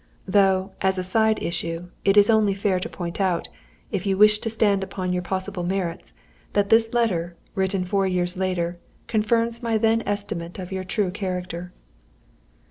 Though, as a side issue, it is only fair to point out if you wish to stand upon your possible merits that this letter, written four years later, confirms my then estimate of your true character.